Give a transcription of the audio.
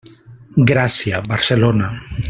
Gràcia, Barcelona.